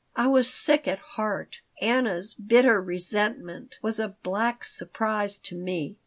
I was sick at heart. Anna's bitter resentment was a black surprise to me.